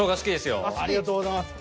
ありがとうございます。